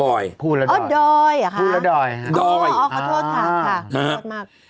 อ๋อดอยหรอคะพูดแล้วดอยดอยอ๋อแฮนขอโทษครับครับขอโทษมาก